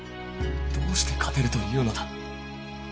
どうして勝てるというのだ